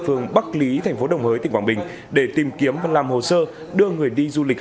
phường bắc lý thành phố đồng hới tỉnh quảng bình để tìm kiếm và làm hồ sơ đưa người đi du lịch